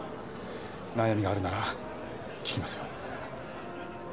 悩みがあるなら聞きますよ。